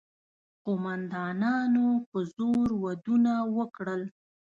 قوماندانانو په زور ودونه وکړل.